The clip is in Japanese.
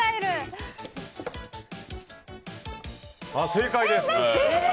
正解です！